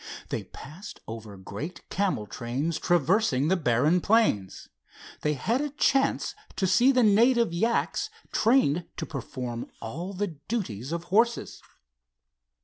They passed over great camel trains traversing the barren plains. They had a chance to see the native yaks, trained to perform all the duties of horses.